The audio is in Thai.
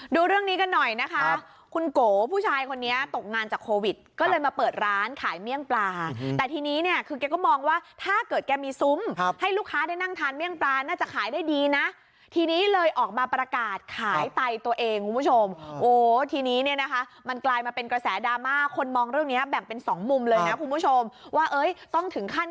ดูเรื่องนี้กันหน่อยนะคะคุณโกผู้ชายคนนี้ตกงานจากโควิดก็เลยมาเปิดร้านขายเมี่ยงปลาแต่ทีนี้เนี่ยคือแกก็มองว่าถ้าเกิดแกมีซุ้มให้ลูกค้าได้นั่งทานเมี่ยงปลาน่าจะขายได้ดีนะทีนี้เลยออกมาประกาศขายไตตัวเองคุณผู้ชมโอ้ทีนี้เนี่ยนะคะมันกลายมาเป็นกระแสดราม่าคนมองเรื่องเนี้ยแบ่งเป็นสองมุมเลยนะคุณผู้ชมว่าเอ้ยต้องถึงขั้น